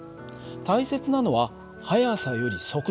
大切なのは速さより速度。